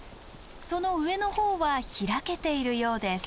その上の方は開けているようです。